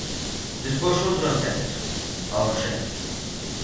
Despois outro aspecto, a urxencia.